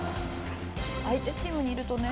「相手チームにいるとね」